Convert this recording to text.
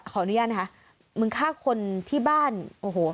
ขออนุญาตนะคะมึงฆ่าคนที่บ้านโอ้โห